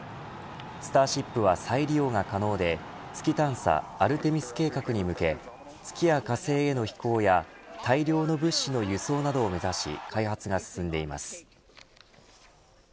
スターシップは再利用が可能で月探査アルテミス計画に向け月や火星への飛行や大量の物資の輸送などを目指し開発が進んでいます。